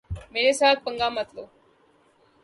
میرے ساتھ پنگا مت لو۔